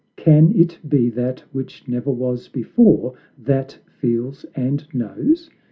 Can it be that which never was before That feels and knows?